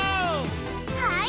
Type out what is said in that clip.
はい！